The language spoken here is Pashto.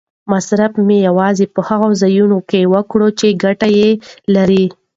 مصرف مې یوازې په هغو ځایونو کې وکړ چې ګټه یې لرله.